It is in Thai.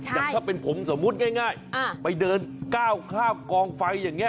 อย่างถ้าเป็นผมสมมุติง่ายไปเดินก้าวข้ามกองไฟอย่างนี้